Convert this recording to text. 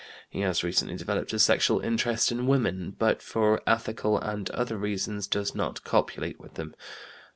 He has recently developed a sexual interest in women, but for ethical and other reasons does not copulate with them.